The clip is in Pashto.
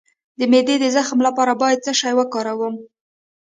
د معدې د زخم لپاره باید څه شی وکاروم؟